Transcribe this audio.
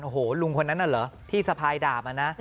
โอ้โหลุงคนนั้นน่ะเหรอที่สะพายดาบอะนะ